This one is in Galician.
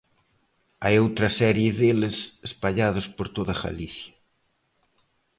Hai outra serie deles espallados por toda Galicia.